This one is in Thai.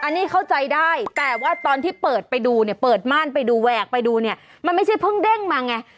อันนี้เข้าใจได้แต่ว่าตอนที่เปิดไปดูเนี่ยเปิดม่านไปดูแหวกไปดูเนี่ยมันไม่ใช่เพิ่งเด้งมาไง